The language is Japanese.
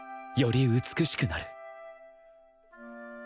より美しくなる